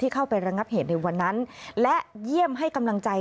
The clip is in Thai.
เข้าไประงับเหตุในวันนั้นและเยี่ยมให้กำลังใจ